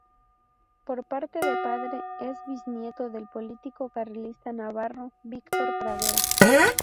Por parte de padre es biznieto del político carlista navarro Víctor Pradera.